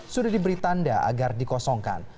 sudah diberi tanda agar dikosongkan